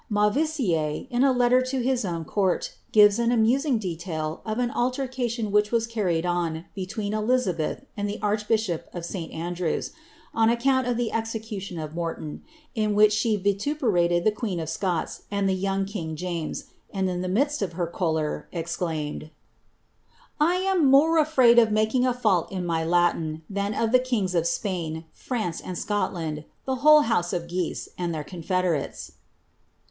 Mauvissiere, in a letter to his own court, gives an amusing detad of an allercation which was carried on between Elizabeth and the archbishop of St. Andrew's, on account of the execution of Morton, in which she vituperated the queen of Scots ami the young king James, and in the midst of her choler, exclaimed —" I am more afraid of making a fault in mv Latin, than of tlie kine^ of Spain, France, and Scotland, the whole house of Guise, and their confederates."'